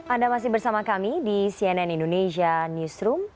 anda masih bersama kami di cnn indonesia newsroom